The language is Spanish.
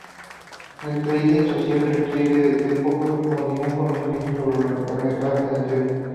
El trading social requiere de poco o ningún conocimiento sobre los mercados financieros.